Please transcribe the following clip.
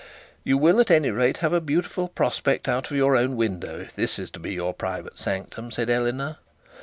'You will, at any rate, have a beautiful prospect out of your own window, if this is to be your private sanctum,' said Eleanor.